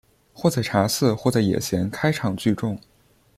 或在茶肆或在野闲开场聚众。